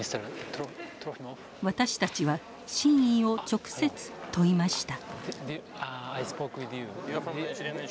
私たちは真意を直接問いました。